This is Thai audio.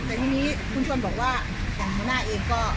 แต่ทีนี้คุณชวนบอกว่าทางหัวหน้าเองก็